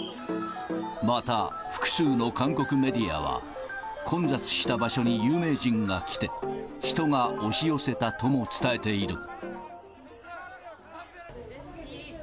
また、複数の韓国メディアは、混雑した場所に有名人が来て、人が押し寄せたとも伝えている。